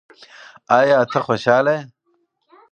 ایا ته خوشاله یې؟